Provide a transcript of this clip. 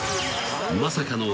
［まさかの］